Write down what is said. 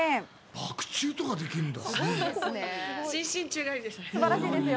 バク宙とかできるんだ。